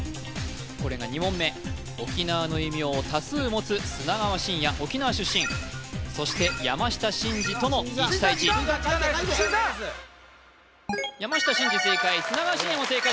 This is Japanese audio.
これが２問目沖縄の異名を多数持つ砂川信哉沖縄出身そして山下真司との１対１